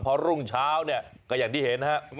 พอรุ่งเช้าเนี่ยก็อย่างที่เห็นนะครับ